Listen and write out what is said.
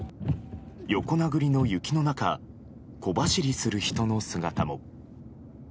横殴りの雪の中小走りする人の姿も。